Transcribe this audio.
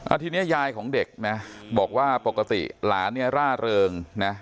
อ่าทีเนี้ยยายของเด็กเนี้ยบอกว่าปกติหลานเนี้ยร่าเริงน่ะ